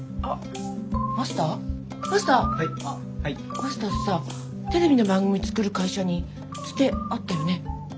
マスターさテレビの番組作る会社にツテあったよね？